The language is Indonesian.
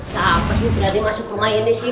kenapa sih berani masuk rumah ini sih